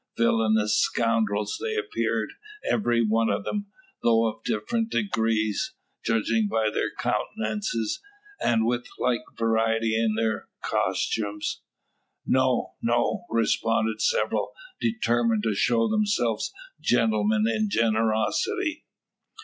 Villainous scoundrels they appear, every one of them, though of different degrees, judging by their countenances, and with like variety in their costumes. "No no!" respond several, determined to show themselves gentlemen in generosity.